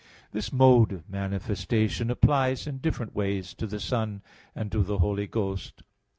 This mode of manifestation applies in different ways to the Son and to the Holy Ghost.